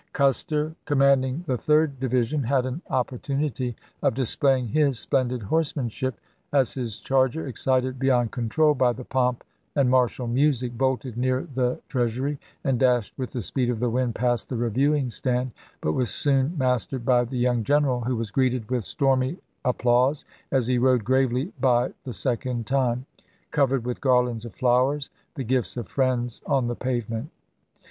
332 ABRAHAM LINCOLN ch. xvii. Custer, commanding the Third Division, had an opportunity of displaying his splendid horseman ship, as his charger, excited beyond control by the pomp and martial music, bolted near the Treas ury, and dashed with the speed of the wind past the reviewing stand, but was soon mastered by the young general, who was greeted with stormy ap plause as he rode gravely by the second time, covered with garlands of flowers, the gifts of friends on the pavement.